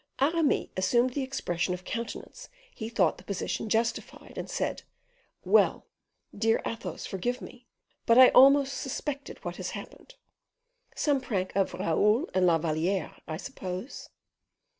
Aramis assumed the expression of countenance he thought the position justified, and said, "Well, dear Athos, forgive me, but I almost suspected what has happened. Some prank of Raoul and La Valliere, I suppose?"